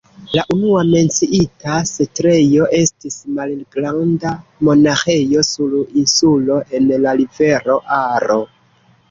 La unua menciita setlejo estis malgranda monaĥejo sur insulo en la rivero Aro.